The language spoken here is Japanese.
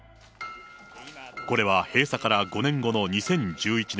これは閉鎖から５年後の２０１１年。